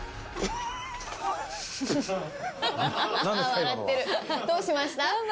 笑ってるどうしました？